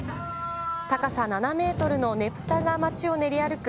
高さ７メートルのねぷたが街を練り歩く